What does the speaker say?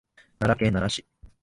奈良県奈良市